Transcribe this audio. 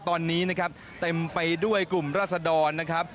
ตอนนี้นะครับเต็มไปด้วยกลุ่มราศดรนะครับ